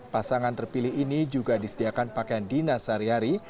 pasangan terpilih ini juga disediakan pakaian dinasari hari